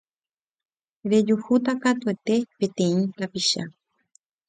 rejuhúta katuete peteĩ tapicha.